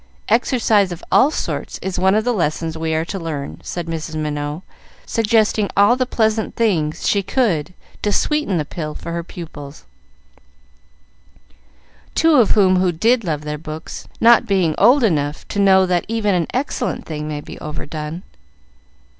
Exercise of all sorts is one of the lessons we are to learn," said Mrs. Minot, suggesting all the pleasant things she could to sweeten the pill for her pupils, two of whom did love their books, not being old enough to know that even an excellent thing may be overdone.